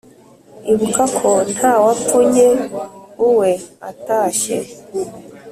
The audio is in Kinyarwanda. Ibuka ko nta wapfunye uwe atashye